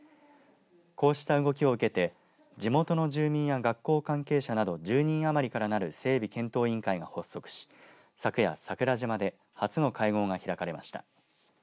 こうした動きを受けて地元の住民や学校関係者など１０人余りからなる整備検討委員会が発足し昨夜、桜島で初の会合が開かれました。